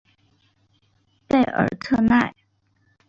贝尔特奈。